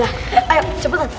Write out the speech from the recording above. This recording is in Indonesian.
ayo cepet ad kelp